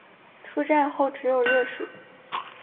出站后只有热水